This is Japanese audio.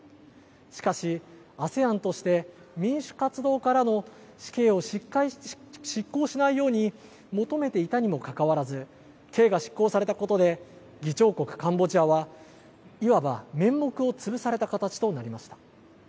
しかし、ＡＳＥＡＮとして民主活動家らの死刑を執行しないように求めていたにもかかわらず刑が執行されたことで議長国カンボジアはいわば、面目を潰された形となりました。